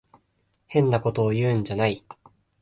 変なことを言うんじゃない。